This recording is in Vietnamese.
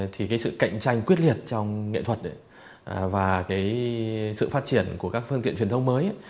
thì cái sự cạnh tranh quyết liệt trong nghệ thuật và sự phát triển của các phương tiện truyền thông mới